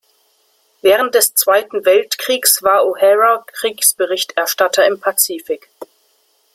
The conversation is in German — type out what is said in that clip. Während des Zweiten Weltkriegs war O’Hara Kriegsberichterstatter im Pazifik.